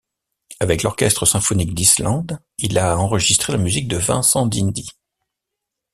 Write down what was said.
Avec l'Orchestre symphonique d'Islande, il a enregistré la musique de Vincent d'Indy.